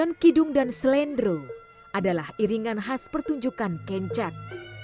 dan kidung dan selendro adalah iringan khas pertunjukan kencang